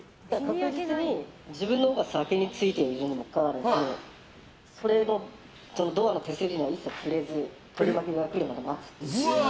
自分のほうが先に着いてるにかかわらずドアの手すりにも一切触れず取り巻きが来るまで待つっていう。